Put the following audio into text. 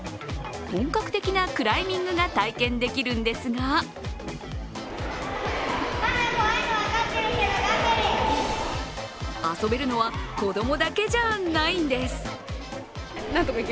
本格的なクライミングが体験できるんですが遊べるのは子供だけじゃあないんです。